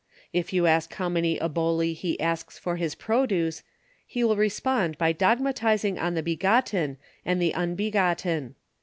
If you ask how many oholi he asks for his produce, he will respond by dogmatizing on the Begotten and the Unbe gotten.